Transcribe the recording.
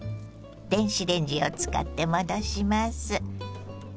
電子レンジを使って戻します。